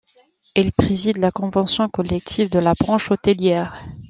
Il préside la convention collective de la branche hôtelière.